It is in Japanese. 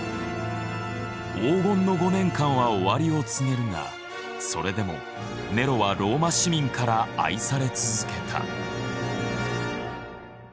「黄金の５年間」は終わりを告げるがそれでもネロはローマ市民から愛され続けた。